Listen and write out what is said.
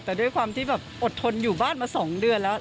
แต่ด้วยความที่แบบอดทนอยู่บ้านมา๒เดือนแล้ว